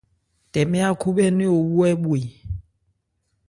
Tɛmɛ ákhúbhɛ́nɛ́n owú hɛ bhwe.